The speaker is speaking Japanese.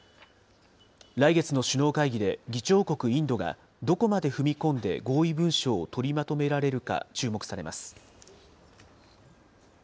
来月の首脳会議で議長国インドがどこまで踏み込んで合意文書を取りまとめられるか、注目されます。